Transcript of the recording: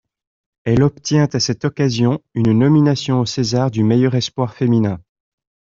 Elle obtient à cette occasion une nomination au César du meilleur espoir féminin.